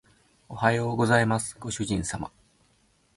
おはようございますご主人様